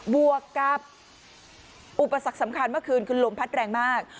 บวกกับอุปสรรคสำคัญเมื่อคืนคือลมพัดแรงมาก